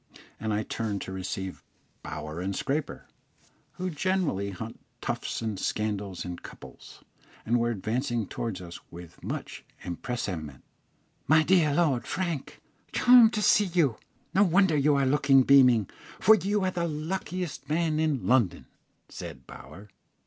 and I turned to receive Bower and Scraper, who generally hunt tufts and scandal in couples, and were advancing towards us with much empressement. "My dear Lord Frank, charmed to see you; no wonder you are looking beaming, for you are the luckiest man in London," said Bower.